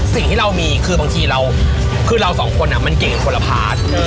สิ่งที่เรามีคือบางทีเราคือเราสองคนมันเก่งกับคนละพาร์ท